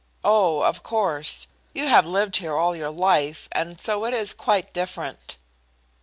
"Oh, of course. You have lived here all your life, and so it is quite different."